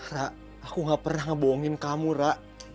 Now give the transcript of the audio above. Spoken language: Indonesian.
ra aku gak pernah ngebohongin kamu ra